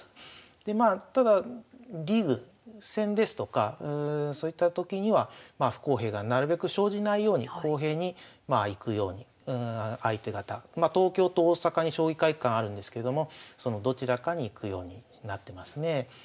でまあただリーグ戦ですとかそういったときには不公平がなるべく生じないように公平にまあいくように相手方まあ東京と大阪に将棋会館あるんですけどもそのどちらかに行くようになってますね。